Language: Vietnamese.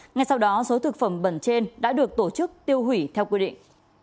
ngay sau đó số thực phẩm bẩn trên đã được tổ chức tiêu hủy theo quy định